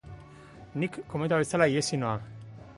Ni kometak bezala ihesi noa.